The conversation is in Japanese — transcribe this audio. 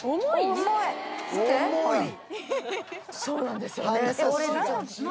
そうなんですよね。